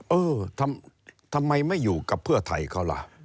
เออทำไมไม่อยู่กับเพื่อไทยเขาล่ะ